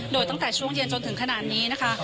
โดยตั้งแต่ช่วงเย็นจนถึงขนาดนี้นะคะ